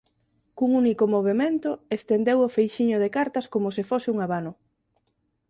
Cun único movemento estendeu o feixiño de cartas como se fose un abano.